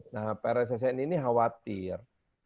nah prssni ini khawatir